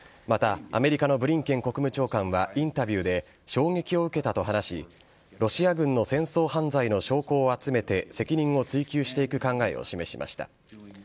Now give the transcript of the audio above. またアメリカのブリンケン国務長官はインタビューで、衝撃を受けたと話し、ロシア軍の戦争犯罪の証拠を集めて、責任を追及していく考えを示しました。